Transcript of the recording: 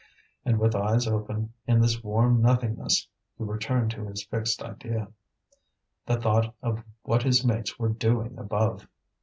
And with eyes open, in this warm nothingness, he returned to his fixed idea the thought of what his mates were doing above.